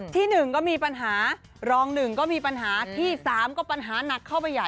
ที่๑ก็มีปัญหารองหนึ่งก็มีปัญหาที่๓ก็ปัญหาหนักเข้าไปใหญ่